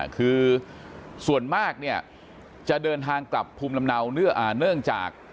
คือส่วนมากเนี่ยจะเดินทางกลับภูมิลำเนาเนื่องจาก